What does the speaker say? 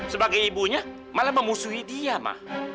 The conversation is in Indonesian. sebagai ibunya malah memusuhi dia mah